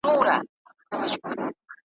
تاندي لښتي وې ولاړي شنه واښه وه ,